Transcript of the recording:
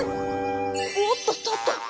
おっとっとっと。